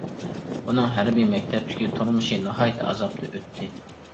ئۇنىڭ ھەربىي مەكتەپتىكى تۇرمۇشى ناھايىتى ئازابتا ئۆتتى.